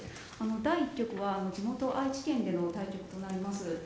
第１局は地元・愛知県での対局となります。